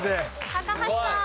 高橋さん。